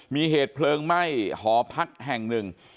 มีเหตุเพลิงไหม้หอพักแห่งหนึ่ง